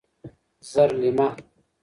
زرلېمه